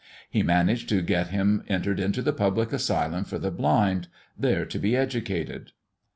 He managed to get him entered into the public asylum for the blind, there to be educated.